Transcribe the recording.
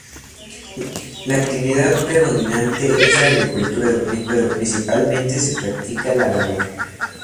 La actividad predominante es la agricultura, pero principalmente se practica la ganadería.